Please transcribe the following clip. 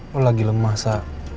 lo lagi lemah sa